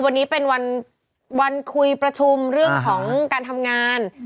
วันนี้เป็นวันคุยประชุมเรื่องของการทำงาน